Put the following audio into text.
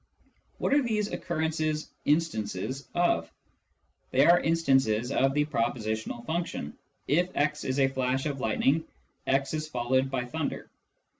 What are these occurrences " instances " of ? They are instances of the propositional function :" If x is a flash of lightning, x is followed by thunder."